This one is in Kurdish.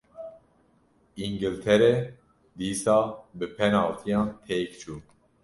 Îngiltere dîsa bi penaltiyan têk çû.